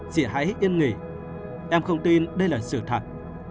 chị hãy yên nghỉ em không tin đây là sự thật